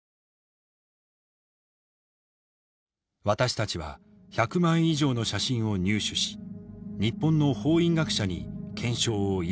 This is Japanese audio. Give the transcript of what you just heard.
私たちは１００枚以上の写真を入手し日本の法医学者に検証を依頼。